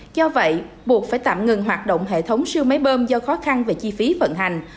do vậy buộc phải tạm ngừng hoạt động hệ thống siêu máy bơm do khó khăn về chi phí vận hành